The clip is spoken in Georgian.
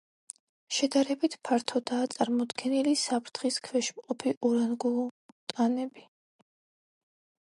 შედარებით ფართოდაა წარმოდგენილი საფრთხის ქვეშ მყოფი ორანგუტანები.